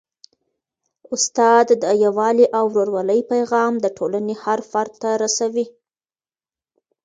استاد د یووالي او ورورولۍ پیغام د ټولني هر فرد ته رسوي.